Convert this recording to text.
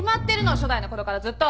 初代のころからずっと。